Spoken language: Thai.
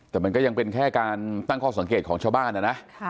แต่มันก็ยังเป็นแค่การตั้งข้อสังเกตของชาวบ้านนะนะ